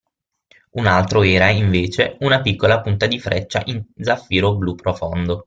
Un altro era, invece, una piccola punta di freccia in zaffiro blu profondo.